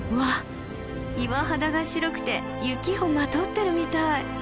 岩肌が白くて雪をまとってるみたい。